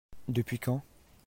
Depuis quand ?